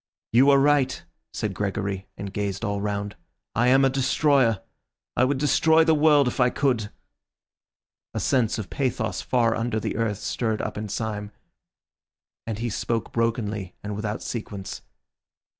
'" "You are right," said Gregory, and gazed all round. "I am a destroyer. I would destroy the world if I could." A sense of a pathos far under the earth stirred up in Syme, and he spoke brokenly and without sequence.